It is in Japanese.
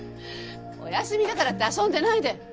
お休みだからって遊んでないで。